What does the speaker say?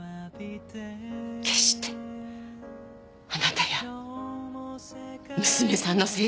決してあなたや娘さんのせいじゃない。